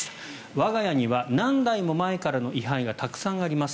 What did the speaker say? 我が家には何代も前からの位牌がたくさんあります。